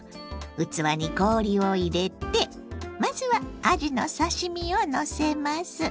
器に氷を入れてまずはあじの刺身をのせます。